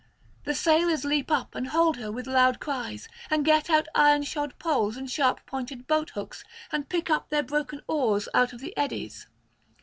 The sailors leap up and hold her with loud cries, and get out iron shod poles and sharp pointed boathooks, and pick up their broken oars out of the eddies.